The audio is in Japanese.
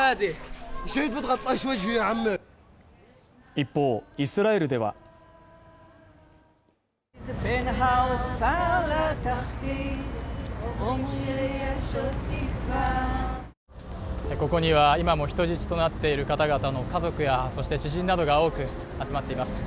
一方イスラエルではここには今も人質となっている方々の家族やそして知人などが多く集まっています